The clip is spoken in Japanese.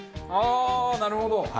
ああーなるほど！